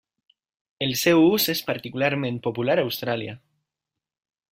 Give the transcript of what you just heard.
El seu ús és particularment popular a Austràlia.